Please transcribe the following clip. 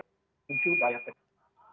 kebunculan bahaya kecil